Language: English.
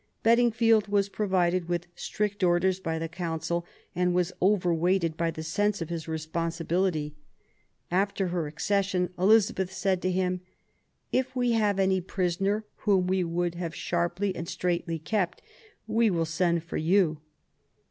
Bedingfield was provided with strict orders by the Council and was over weighted by the sense of his responsibility. After her accession, Elizabeth said to him :If we have any prisoner whom we would have sharply and THE YOUTH OP ELIZABETH, 31 straitly kept, we will send for you